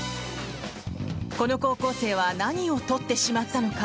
この高校生は何を撮ってしまったのか。